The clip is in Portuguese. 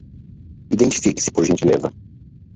Identifique-se por gentileza